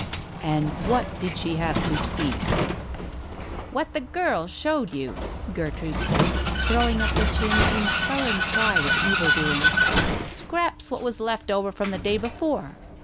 " And what did she have to eat ?" •'What the girl showed you ..." Gertrude said, throwing up her chin in sullen pride of evil doing. " Scraps what was left over from the day before.